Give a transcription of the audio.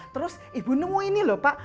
terus ibu nemu ini loh pak